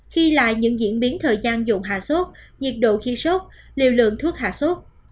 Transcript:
khi lại những diễn biến thời gian dùng hạ sốt nhiệt độ khi sốt liều lượng thuốc hạ sốt